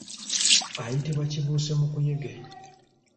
Ayitibwa kibusemukuyege.